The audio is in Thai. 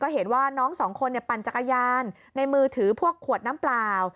เห็นว่าน้องสองคนปั่นจักรยานในมือถือพวกขวดน้ำเปล่า